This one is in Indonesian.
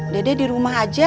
dedeh di rumah aja